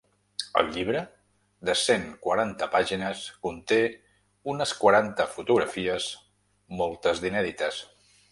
El llibre, de cent quaranta pàgines, conté unes quaranta fotografies, moltes d’inèdites.